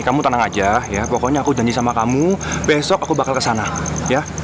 kamu tenang aja ya pokoknya aku janji sama kamu besok aku bakal kesana ya